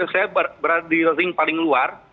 saya berada di ring paling luar